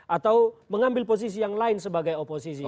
atau mengambil posisi yang lain sebagai oposisi